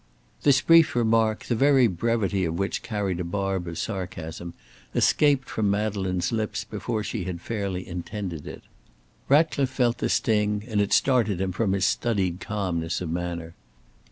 This brief remark, the very brevity of which carried a barb of sarcasm, escaped from Madeleine's lips before she had fairly intended it. Ratcliffe felt the sting, and it started him from his studied calmness of manner.